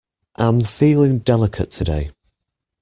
Am feeling delicate today.